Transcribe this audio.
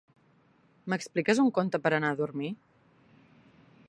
M'expliques un conte per a anar a dormir?